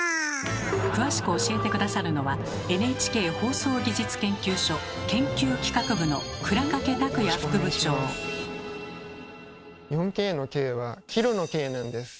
詳しく教えて下さるのはＮＨＫ放送技術研究所研究企画部の４Ｋの「Ｋ」はキロの「Ｋ」なんです。